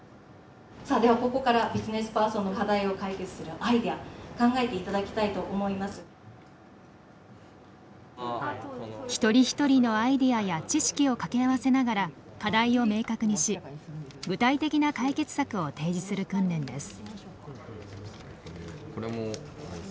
さあではここから一人一人のアイデアや知識を掛け合わせながら課題を明確にし具体的な解決策を提示する訓練です。